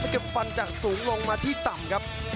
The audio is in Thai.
เก็บฟันจากสูงลงมาที่ต่ำครับ